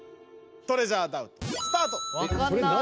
トレジャーダウトスタート！